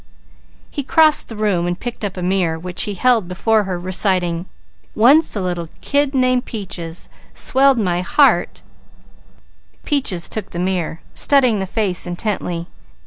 He crossed the room and picked up a mirror which he held before her reciting: "Once a little kid named Peaches, swelled my heart " Peaches took the mirror, studying the face intently.